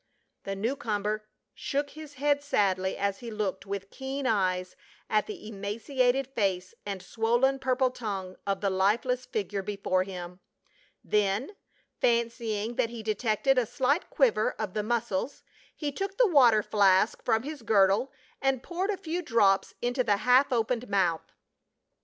The new comer shook his head sadly as he looked with keen eyes at the emaciated face and swollen purple tongue of the lifeless figure before him ; then, fancying that he detected a slight quiver of the mus cles, he took the water flask from his girdle and poured a few drops into the half opened mouth.